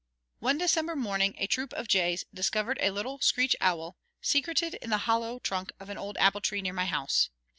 One December morning a troop of jays discovered a little screech owl secreted in the hollow trunk of an old apple tree near my house.